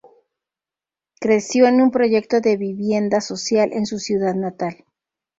Creció en un proyecto de vivienda social en su ciudad natal.